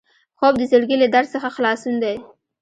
خوب د زړګي له درد څخه خلاصون دی